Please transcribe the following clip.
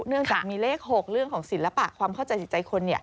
เนื่องจากมีเลข๖เรื่องของศิลปะความเข้าใจจิตใจคน